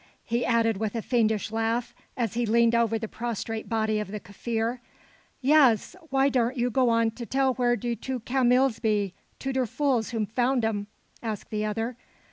he added with a fiendish laugh, as he leaned over the prostrate body of the Kaffir. "Yaas, why don't yer go on to tell where der two cameels be, to der fools whom found um?" asked the other.